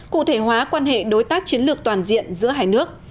cụ thể hóa quan hệ đối tác chiến lược toàn diện giữa hai nước